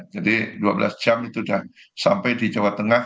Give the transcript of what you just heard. jadi dua belas jam itu sudah sampai di jawa tengah